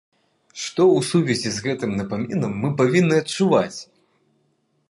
Што ў сувязі з гэтым напамінам мы павінны адчуваць?